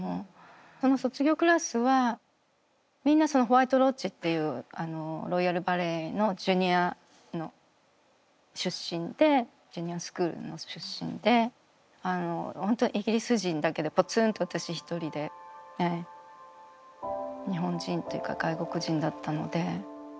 その卒業クラスはみんなホワイト・ロッジっていうロイヤル・バレエのジュニアの出身でジュニアスクールの出身で本当イギリス人だけでぽつんと私一人で日本人っていうか外国人だったので。